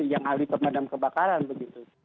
yang ahli pemadam kebakaran begitu